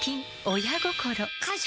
親心！感謝！